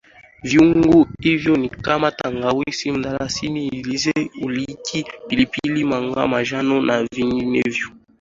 Viungo hivyo ni kama tangawizi mdalasini uzile hiliki pilipili manga manjano na vinginevyo